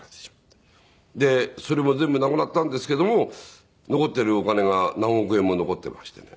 でそれも全部なくなったんですけども残っているお金が何億円も残っていましてね。